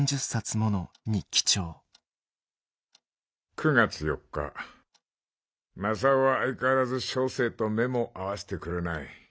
「９月４日雅夫は相変わらず小生と目も合わせてくれない。